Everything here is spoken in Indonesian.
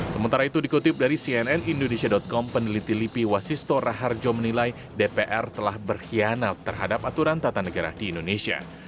sementara itu dikutip dari cnn indonesia com peneliti lipi wasisto raharjo menilai dpr telah berkhianat terhadap aturan tata negara di indonesia